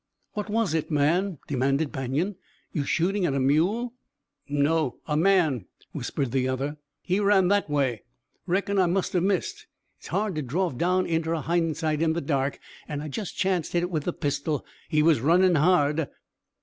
"What was it, man?" demanded Banion. "You shooting at a mule?" "No, a man," whispered the other. "He ran this way. Reckon I must have missed. It's hard to draw down inter a hindsight in the dark, an' I jest chanced hit with the pistol. He was runnin' hard."